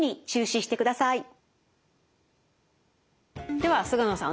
では菅野さん